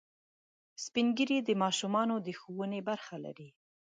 سپین ږیری د ماشومانو د ښوونې برخه لري